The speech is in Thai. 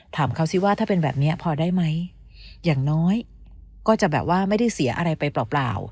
ถามเขาสิว่าถ้าเป็นแบบนี้พอได้ไหมอย่างน้อยก็จะแบบว่าไม่ได้เสียอะไรไปเปล่า